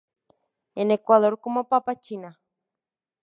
En Ecuador como papa china